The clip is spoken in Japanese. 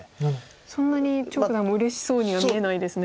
そんなに張栩九段もうれしそうには見えないですね。